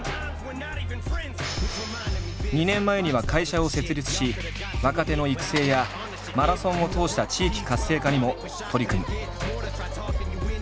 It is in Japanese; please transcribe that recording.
２年前には会社を設立し若手の育成やマラソンを通した地域活性化にも取り組む。